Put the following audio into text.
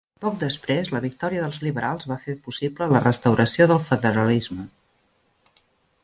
Poc després, la victòria dels liberals va fer possible la restauració del federalisme.